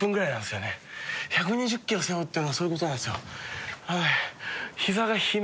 １２０ｋｇ背負うっていうのはそういうことなんですよ。